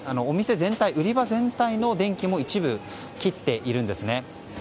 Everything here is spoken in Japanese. お店全体、売り場全体の電気も一部切っているんですね。